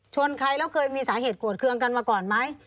ใครแล้วเคยมีสาเหตุโกรธเครื่องกันมาก่อนไหม